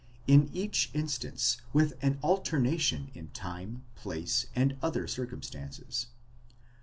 in each instance with an alteration in time, place, and other circumstances.